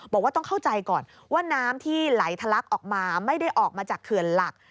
บอกว่าต้องเข้าใจก่อนว่าน้ำที่ไหลทะลักออกมาไม่ได้ออกมาจากเขื่อนหลัก